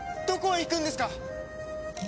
どこへ行くんですか！